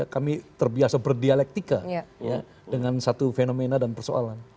kami terbiasa berdialektika dengan satu fenomena dan persoalan